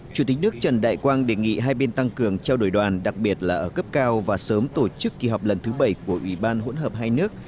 chủ tịch nước trần đại quang đề nghị hai bên tăng cường trao đổi đoàn đặc biệt là ở cấp cao và sớm tổ chức kỳ họp lần thứ bảy của ủy ban hỗn hợp hai nước